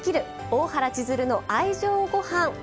大原千鶴の愛情ごはん」。